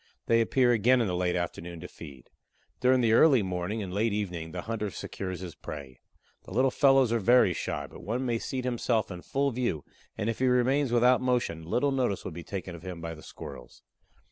They appear again in the late afternoon to feed. During the early morning and late evening the hunter secures his prey. The little fellows are very shy, but one may seat himself in full view and if he remains without motion little notice will be taken of him by the Squirrels.